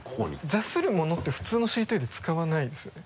「座するもの」って普通のしりとりで使わないですよね。